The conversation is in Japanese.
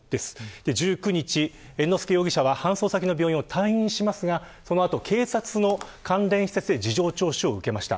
１９日に猿之助容疑者は搬送先の病院を退院しますがその後、警察の関連施設で事情聴取を受けました。